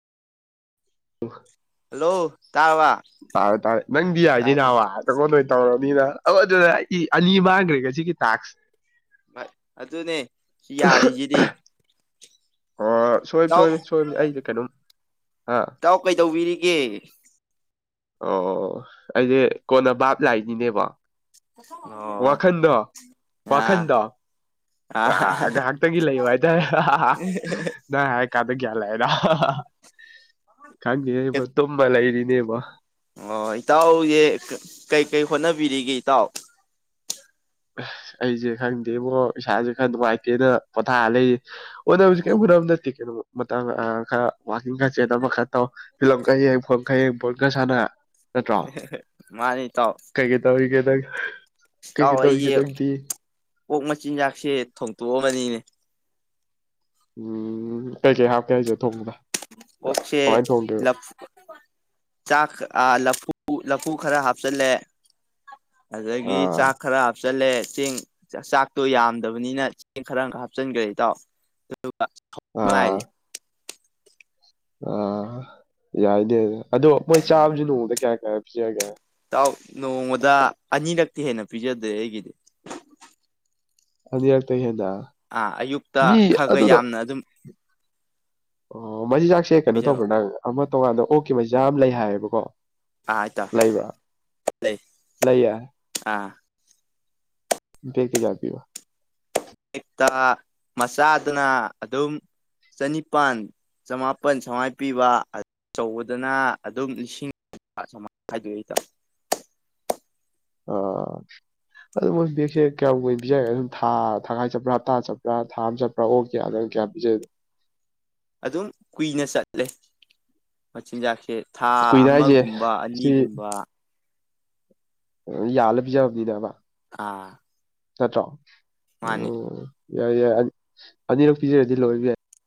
Hello ꯇꯥꯔꯕ ꯇꯥꯔꯦ ꯇꯥꯔꯦ ꯅꯪꯗꯤ ꯌꯥꯏꯅꯦ ꯇꯥꯗꯦ ꯅꯥꯕꯥ [unintelligible] ꯇꯧꯔꯅꯤꯅ ꯑꯗꯨꯗ ꯑꯅꯤ ꯃꯥꯡꯈ꯭ꯔꯦ ꯉꯁꯤꯒꯤ ꯇꯥꯛꯁ ꯚꯥꯢ ꯑꯗꯨꯅꯦ ꯁꯤ ꯌꯥꯔꯤꯖꯤꯗꯤ ꯑꯣ ꯁꯣꯏꯕ ꯁꯣꯏꯕꯅꯤ ꯁꯣꯏꯕꯅꯤ ꯑꯩꯁꯦ ꯀꯩꯅꯣꯝ ꯑꯥ ꯏꯇꯥꯎ ꯀꯩꯗꯧꯕꯤꯔꯤꯒꯦ ꯑꯣ ꯑꯩꯗꯤ ꯀꯣꯟꯅ ꯕꯥꯞ ꯂꯥꯛꯏꯅꯤꯅꯦꯕꯣ ꯑꯣ ꯋꯥꯈꯟꯗ ꯑ ꯋꯥꯈꯟꯗ ꯑ ꯑꯥ ꯑꯥꯗꯔꯠꯇꯒꯤ ꯂꯩꯌꯣ ꯍꯥꯢꯇꯥꯔꯦ꯫ ꯍꯥꯏ ꯀꯥꯟꯗ ꯒ꯭ꯌꯥꯟꯂꯔ ꯈꯪꯉꯤꯕ ꯇꯨꯝꯃ ꯂꯩꯔꯤꯅꯦꯕ ꯑꯣ ꯏꯇꯥꯎꯁꯦ ꯀꯩꯀꯩ ꯍꯣꯠꯅꯕꯤꯔꯤꯒꯦ ꯏꯇꯥꯎ ꯑꯁ ꯑꯩꯖꯦ ꯈꯪꯗꯦꯕꯣ ꯏꯁꯥꯥꯖꯦ ꯈ꯭ꯔ ꯅꯨꯡꯉꯥꯢꯇꯦꯅ ꯄꯣꯊꯥ ꯂꯩ꯫ ꯍꯣꯠꯅꯕꯖꯦ ꯀꯩꯝ ꯑꯣ ꯍꯣꯠꯅꯕ ꯅꯠꯇꯦ ꯀꯩꯅꯣ ꯃꯇꯥꯝ ꯑ ꯈꯔ ꯋꯥꯛꯀꯤꯡ ꯈꯥ ꯆꯦꯟ ꯑꯃ ꯈꯥ ꯇꯧ꯫ ꯄꯤ ꯂꯂꯝꯈꯥꯏ ꯌꯦꯡ ꯐꯡꯈꯥꯏꯡ ꯄꯣꯏꯡꯈ ꯁꯥꯟꯅ ꯅꯠꯇ꯭ꯔꯣ ꯃꯥꯅꯤ ꯏꯇꯥꯎ ꯀꯩ ꯒꯩ ꯇꯧꯔꯤꯒꯦ ꯅꯪ꯫ ꯏꯇꯥꯎ ꯀꯩꯀꯩ ꯇꯧꯔꯤꯒꯦ ꯑꯩꯁꯦ ꯅꯪꯗꯤ ꯀꯣꯛ ꯃꯆꯤꯟꯖꯥꯛꯁꯦ ꯊꯣꯡꯇꯣꯛꯑꯕꯅꯤꯅꯦ ꯎꯝ ꯀꯩꯀꯩ ꯍꯥꯞꯀꯦ ꯍꯥꯏꯁꯦ ꯊꯣꯡꯕꯗ ꯑꯣꯛꯁꯦ ꯀꯃꯥꯏꯅ ꯊꯣꯡꯗꯣꯏꯕ ꯂꯥꯐꯨ ꯆꯥꯛ ꯑ ꯂꯐꯨ ꯂꯐꯨ ꯈꯔ ꯍꯥꯞꯆꯜꯂꯦ꯫ ꯑꯗꯗꯒꯤ ꯑꯥ ꯆꯥ ꯈꯔꯞ ꯍꯥꯞꯆꯜꯂꯦ ꯆꯦꯡ ꯆꯥꯛꯇꯣ ꯌꯥꯝꯗꯕꯅꯤꯅ ꯆꯦꯡ ꯈꯔ ꯍꯥꯞꯆꯤꯟꯈ꯭ꯔꯦ ꯏꯇꯥꯎ ꯑꯥ [inaudible] ꯑꯥ ꯌꯥꯏꯗꯦ ꯑꯗꯣ ꯃꯣꯏ ꯆꯥꯕꯁꯨ ꯅꯣꯡꯃꯗ ꯀꯌꯥ ꯀꯌꯥ ꯄꯤꯖꯒꯦ ꯥꯎ ꯅꯣꯡꯃꯗ ꯑꯅꯤꯔꯛꯇꯤ ꯍꯦꯟꯅ ꯄꯤꯖꯗꯦ ꯑꯩꯒꯤꯗꯤ ꯍꯟ ꯌꯦꯔ ꯇꯥꯏ ꯌꯦꯦꯟꯗ ꯑꯥ ꯑꯌꯨꯛꯇ ꯈꯔ ꯈꯔ ꯌꯥꯝꯅ ꯑꯗꯨꯝ ꯑꯣ ꯃꯆꯤꯟꯖꯥꯛꯁꯦ ꯀꯩꯅꯣ ꯄꯤꯖꯕ ꯇꯧꯕ꯭ꯔꯥ ꯅꯪ ꯑꯃ ꯇꯣꯡꯉꯥꯟꯗ ꯑꯣꯛꯀꯤ ꯃꯆꯖꯥꯛ ꯌꯥꯝ ꯂꯩ ꯍꯥꯏꯌꯦꯕꯀꯣ ꯑ ꯑ ꯇ ꯂꯩꯕ꯭ꯔꯥ ꯂꯩꯌꯦ ꯑꯥ ꯂꯩ ꯀ ꯌꯥ ꯄꯌꯣ ꯑꯛꯇ ꯃꯆꯥꯗꯨꯅ ꯑꯗꯨꯝ ꯆꯅꯤꯄꯥꯟ ꯆꯃꯥꯄꯟ ꯁꯨꯃꯥꯢ ꯄꯤꯕ ꯑꯆꯧꯕꯗꯅ ꯑꯗꯨꯝ ꯂꯤꯁꯤꯡ ꯑ ꯃ ꯍꯥꯏꯥꯏꯗ ꯑꯣ ꯑꯗꯨ ꯃꯣꯏ ꯕꯦꯛꯁꯦ ꯀꯌꯥꯝꯏ ꯑꯣꯏꯅ ꯄꯤꯖꯒꯦ ꯑꯗꯨꯝ ꯊꯒꯥꯏ ꯆꯠꯄ꯭ꯔꯥ ꯍꯞꯇꯥ ꯆꯠꯄ꯭ꯔꯥ ꯊꯥ ꯑꯃ ꯆꯠꯄ꯭ꯔ ꯄꯥ ꯑꯣ ꯀꯌꯥꯗꯪ ꯀꯌꯥ ꯄꯤꯖꯒꯦ ꯑꯗꯨꯝ ꯀꯨꯏꯅ ꯆꯠꯂꯦ ꯃꯆꯤꯟꯖꯥꯛꯁꯦ ꯊꯥ ꯀꯨꯏꯅ ꯍꯥꯏꯁꯦ ꯑꯃꯒꯨꯝꯕ ꯁꯤ ꯑꯅꯤꯒꯨꯝꯕ ꯌꯥꯜꯂ ꯄꯤꯖꯕꯅꯤꯗ ꯑꯃ ꯑꯥ ꯅꯠꯇ꯭ꯔꯣ ꯃꯥꯅꯦ ꯑꯣ ꯌꯥꯏ ꯌꯥꯏ ꯑꯅꯤꯔꯛ ꯄꯤꯖꯔꯗꯤ ꯂꯣꯏꯕ ꯌꯥꯏ